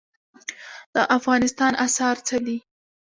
د افغانستان اسعار څه دي؟